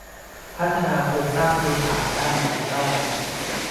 พัฒนาโครงสร้างพื้นฐานด้านดิจิทัล